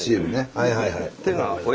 はいはいはい。